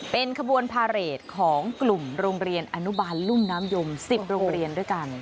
เป็นขบวนพาเรทของกลุ่มโรงเรียนอนุบาลลุ่มน้ำยม๑๐โรงเรียนด้วยกัน